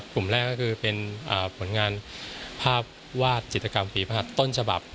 กลุ่มแรกก็คือเป็นผลงานภาพวาดจิตกรรมฝีภาษต้นฉบับ